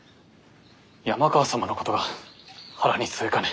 山川様のことが腹に据えかね。